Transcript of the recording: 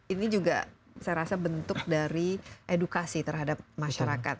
ini juga saya rasa bentuk dari edukasi terhadap masyarakat